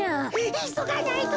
いそがないと。